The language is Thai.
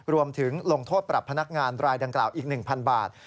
ลงโทษปรับพนักงานรายดังกล่าวอีก๑๐๐บาท